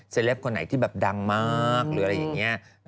เลปคนไหนที่แบบดังมากหรืออะไรอย่างนี้